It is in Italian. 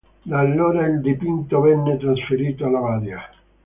Da allora il dipinto venne trasferito alla Badia.